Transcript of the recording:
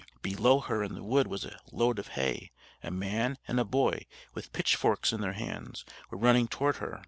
Below her in the wood was a load of hay: a man and a boy, with pitchforks in their hands, were running toward her.